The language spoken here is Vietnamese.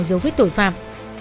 dấu vết tội phạm